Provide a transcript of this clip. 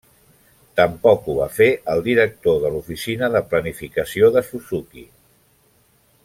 Tampoc ho va fer el director de l'Oficina de Planificació Suzuki.